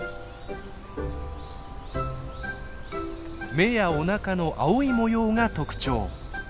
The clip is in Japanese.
目やおなかの青い模様が特徴。